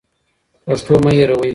پښتو مه هېروئ.